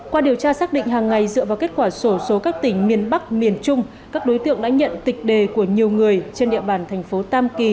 qua điều tra xác định hàng ngày dựa vào kết quả sổ số các tỉnh miền bắc miền trung các đối tượng đã nhận tịch đề của nhiều người trên địa bàn thành phố tam kỳ